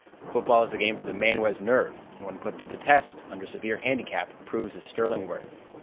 Football is a game for the man who has nerve, and when put to the test, under severe handicap, proves his sterling worth.